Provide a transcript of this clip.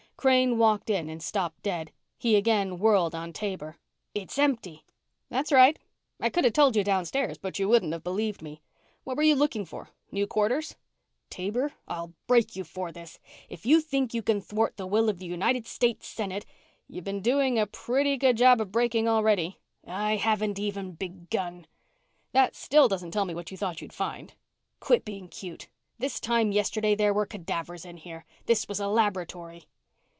Crane walked in and stopped dead. He again whirled on Crane. "It's empty." "That's right. I could have told you downstairs but you wouldn't have believed me. What were you looking for? New quarters?" "Taber, I'll break you for this! If you think you can thwart the will of the United States Senate " "You've been doing a pretty good job of breaking already." "I haven't even begun!" "That still doesn't tell me what you thought you'd find." "Quit being cute. This time yesterday there were cadavers in here. This was a laboratory!"